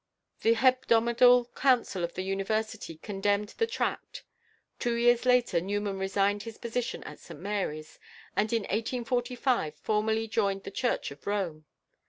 The Hebdomadal Council of the University condemned the Tract. Two years later Newman resigned his position at St Mary's, and in 1845 formally joined the Church of Rome.